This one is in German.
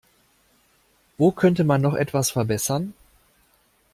Wo könnte man noch etwas verbessern?